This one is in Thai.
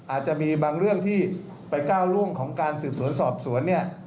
อาจจะมีบางเรื่องที่ไปก้าวล่วงของการสืบสวนสอบสวนเนี่ย